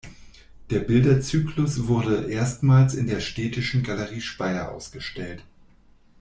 Der Bilderzyklus wurde erstmals in der Städtischen Galerie Speyer ausgestellt.